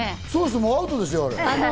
もうアウトですよ。